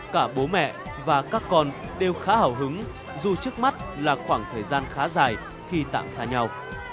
cả bố mẹ và các con đều khá hào hứng dù trước mắt là khoảng thời gian khá dài khi tạm xa nhau